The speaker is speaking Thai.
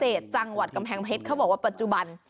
จังหวัดกำแพงเพชรเขาบอกว่าปัจจุบัน